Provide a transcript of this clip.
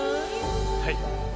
はい。